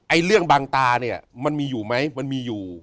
เรื่องบางตาเนี่ยมันมีอยู่ไหมมันมีอยู่